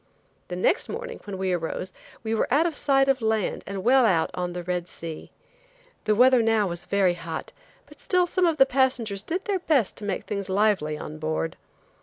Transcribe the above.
The next morning when we arose we were out of sight of land and well out on the Red Sea. The weather now was very hot, but still some of the passengers did their best to make things lively on board.